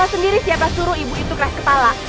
sendiri siapa suruh ibu itu keras kepala